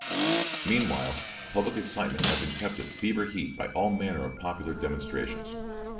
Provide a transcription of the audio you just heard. Meanwhile public excitement had been kept at fever heat by all manner of popular demonstrations.